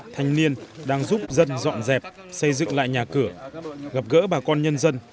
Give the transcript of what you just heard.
thanh niên đang giúp dân dọn dẹp xây dựng lại nhà cửa gặp gỡ bà con nhân dân